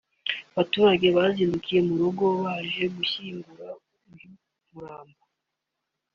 abaturanyi bazindukiye mu rugo baje gushyingura iyo mirambo